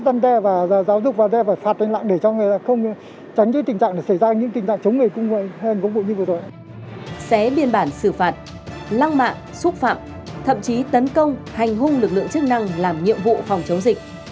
lăng mạng xúc phạm thậm chí tấn công hành hung lực lượng chức năng làm nhiệm vụ phòng chống dịch